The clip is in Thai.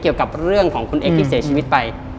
เกี่ยวกับเรื่องของคุณเอ็กซที่เสียชีวิตไป